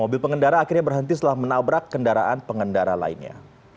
mobil pengendara akhirnya berhenti setelah menabrak kendaraan pengendara lainnya